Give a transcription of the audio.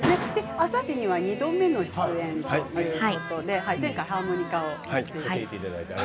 「あさイチ」には２度目の出演ということで前回ハーモニカを。